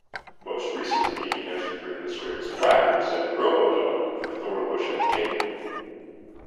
Most recently he has rewritten the scripts "Whackers" and "Robodog" for Thornbush Entertainment.